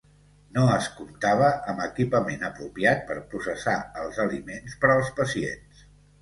No es comptava amb equipament apropiat per processar els aliments per als pacients.